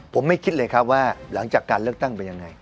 ผมไม่คิดเลยครับว่าหลังจากการเลือกตั้งเป็นยังไง